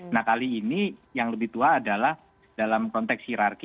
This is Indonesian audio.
nah kali ini yang lebih tua adalah dalam konteks hirarki